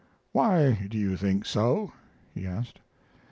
"Why do you think so?" he asked.